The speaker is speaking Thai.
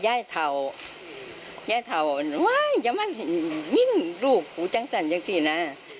ยายเท่าอ่ะอย่างเล่นยิ่งลูกหูจังสั่นจังสินะ